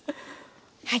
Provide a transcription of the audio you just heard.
はい。